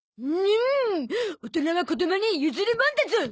ん大人は子供に譲るもんだゾ！